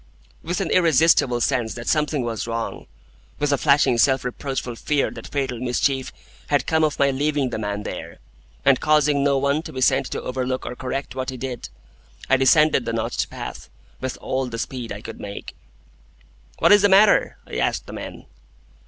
With an irresistible sense that something was wrong,—with a flashing self reproachful fear that fatal mischief had come of my leaving the man there, and causing no one to be sent to overlook or correct what he did,—I descended the notched path with all the speed I could make. "What is the matter?" I asked the men.